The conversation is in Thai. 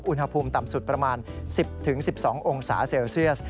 อุณหภูมิต่ำสุดประมาณ๑๐๑๒องศาเซลเซียส